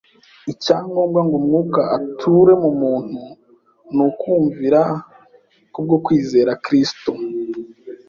Icya ngombwa ngo Umwuka ature mu muntu ni ukwumvira ku bwo kwizera Kristo